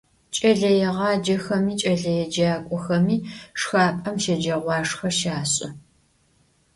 Ç'eleêğacexemi, ç'eleêcak'oxemi şşxap'em şeceğuaşşxe şaş'ı.